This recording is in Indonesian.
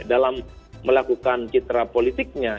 dalam melakukan citra politiknya